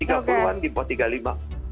tiga puluh an di bawah tiga puluh lima